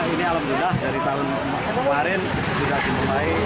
ini alhamdulillah dari tahun kemarin sudah dimulai